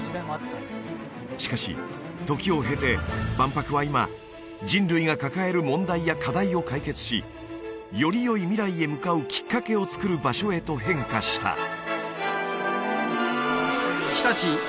しかし時を経て万博は今人類が抱える問題や課題を解決しよりよい未来へ向かうきっかけをつくる場所へと変化した